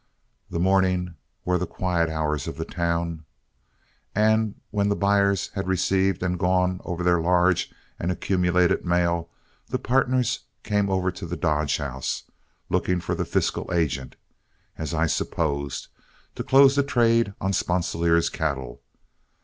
The morning were the quiet hours of the town, and when the buyers had received and gone over their large and accumulated mail, the partners came over to the Dodge House, looking for the fiscal agent, as I supposed, to close the trade on Sponsilier's cattle.